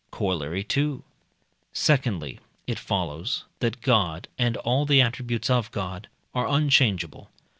Coroll. II Secondly, it follows that God, and all the attributes of God, are unchangeable.